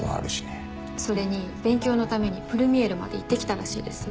それに勉強のためにプルミエールまで行ってきたらしいですよ。